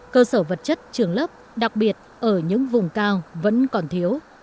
cơ sở vật chất trường lớp đặc biệt ở những vùng cao vẫn còn thiếu